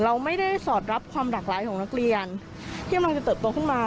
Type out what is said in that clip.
มันก็ไม่ได้สอดรับความหลากหลายของนักเรียนที่มันจะเติบตัวขึ้นมา